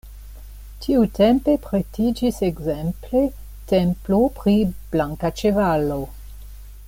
Tiutempe pretiĝis ekzemple templo pri Blanka Ĉevalo.